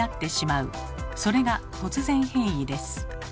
それが突然変異です。